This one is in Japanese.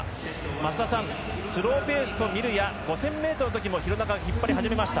増田さん、スローペースとみるや５０００ｍの時も廣中が引っ張り始めました。